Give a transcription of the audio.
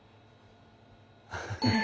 ハハハハ。